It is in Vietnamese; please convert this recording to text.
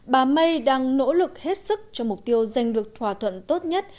bà may đang nỗ lực hết sức cho mục tiêu giành được thỏa thuận tốt nhất